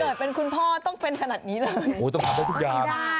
เกิดเป็นคุณพ่อต้องเป็นขนาดนี้เลยโอ้ต้องทำได้ทุกอย่าง